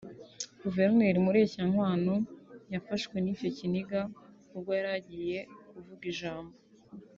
Guverineri Mureshyankwano yafashwe n’icyo kiniga ubwo yari agiye kuvuga ijambo